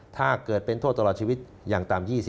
ถ้าเกิดเป็นโทษตลอดชีวิตอย่างต่ำ๒๐